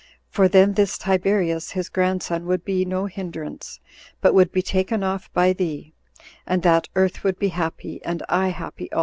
for then this Tiberius, his grandson, would be no hinderance, but would be taken off by thee, and that earth would be happy, and I happy also."